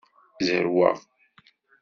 Zerweɣ.